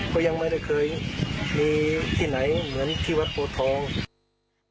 ก็ยังไม่ได้เคยมีที่ไหนเหมือนที่วัดโพทอง